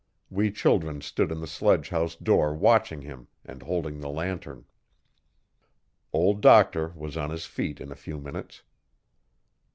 We children stood in the sledgehouse door watching him and holding the lantern. Old Doctor was on his feet in a few minutes.